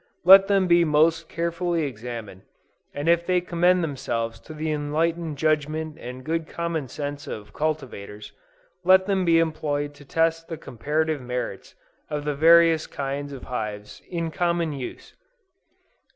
Let them be most carefully examined, and if they commend themselves to the enlightened judgment and good common sense of cultivators, let them be employed to test the comparative merits of the various kinds of hives in common use.